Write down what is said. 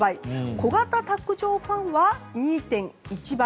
小型卓上ファンは２．１倍。